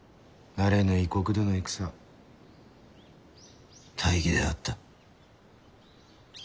慣れぬ異国での戦大儀であった。